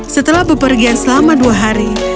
setelah bepergian selama dua hari